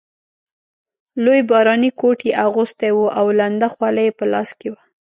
لوی باراني کوټ یې اغوستی وو او لنده خولۍ یې په لاس کې وه.